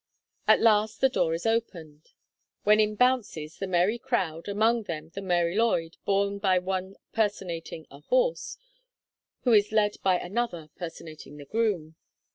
At last the door is opened, when in bounces the merry crowd, among them the Mary Lwyd, borne by one personating a horse, who is led by another personating the groom.